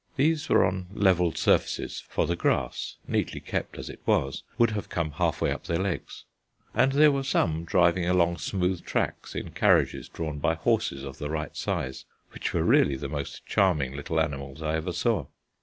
These were on levelled spaces, for the grass, neatly kept as it was, would have come half way up their legs; and there were some driving along smooth tracks in carriages drawn by horses of the right size, which were really the most charming little animals I ever saw.